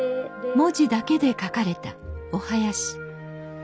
文字だけで書かれたお囃子。